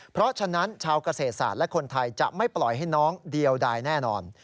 เพราะฉะนั้นชาวเกษตรศาสตร์และคนไทยจะไม่ปล่อยให้น้องเดียวดายแน่นอน